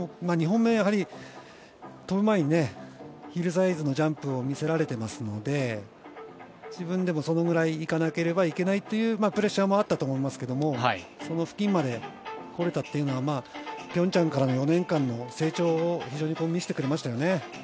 ２本目飛ぶ前にヒルサイズのジャンプを見せられていますので自分でもそのくらいに行かなければいけないというプレッシャーもあったと思いますがその付近までこれたというのが平昌からの４年間の成長を見せてくれましたよね。